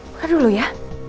buka dulu ya